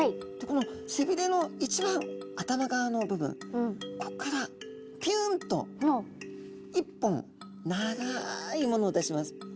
この背びれの一番頭側の部分こっからピュンと一本長いものを出します。